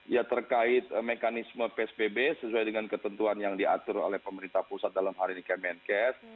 ya terkait mekanisme psbb sesuai dengan ketentuan yang diatur oleh pemerintah pusat dalam hari ini kemenkes